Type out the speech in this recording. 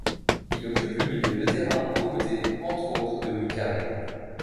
Il occupe le milieu de terrain aux côtés entre autres de Louis Carré.